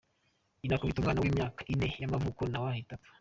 Inakubita umwana w’imyaka ine y’amavuko nawe ahita apfa.